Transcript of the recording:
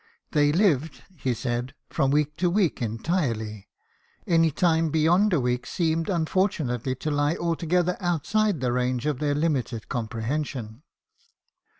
They lived, he said, from week to week entirely ; any time beyond a week seemed unfortunately to lie altogether outside the range of their limited comprehension.